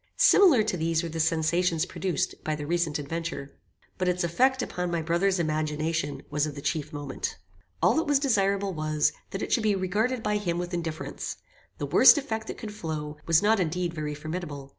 Similar to these were the sensations produced by the recent adventure. But its effect upon my brother's imagination was of chief moment. All that was desirable was, that it should be regarded by him with indifference. The worst effect that could flow, was not indeed very formidable.